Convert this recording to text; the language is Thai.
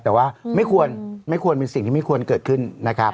แต่ว่าไม่ควรเป็นสิ่งที่ไม่ควรเกิดขึ้นนะครับ